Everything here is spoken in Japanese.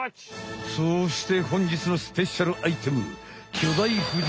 そしてほんじつのスペシャルアイテム！